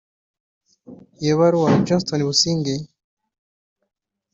Iyo baruwa Johnston Busingye